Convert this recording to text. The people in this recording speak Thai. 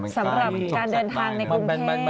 สำหรับการเดินทางในกรุงเทพ